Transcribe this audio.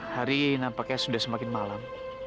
hari nampaknya sudah semakin malam